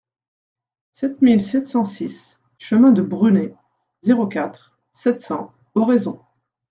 sept mille sept cent six chemin de Brunet, zéro quatre, sept cents, Oraison